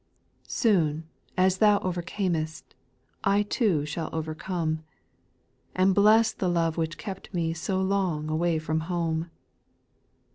7. Soon, as Thou overcamest, I too shall overcome ; And bless the love which kept me So long away from home.